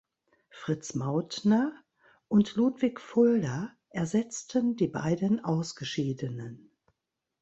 Fritz Mauthner und Ludwig Fulda ersetzten die beiden Ausgeschiedenen.